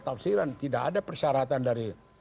tafsiran tidak ada persyaratan dari